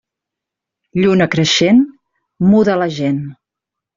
Lluna creixent muda la gent.